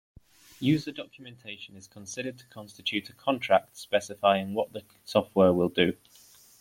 User documentation is considered to constitute a contract specifying what the software will do.